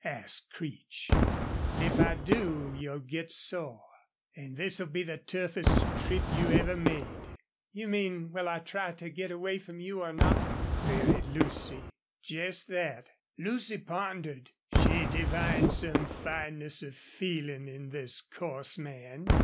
asked Creech. "If I do you'll git sore. An' this'll be the toughest trip you ever made." "You mean will I try to get away from you or not?" queried Lucy. "Jest thet." Lucy pondered. She divined some fineness of feeling in this coarse man.